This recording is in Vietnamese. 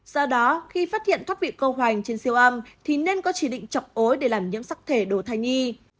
do đó khi phát hiện thoát vị câu hoành trên siêu âm thì nên có chỉ định chọc ối để làm nhiễm sắc thể đồ thai nhi